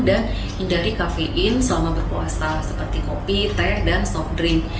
dan hindari kafein selama berpuasa seperti kopi teh dan soft drink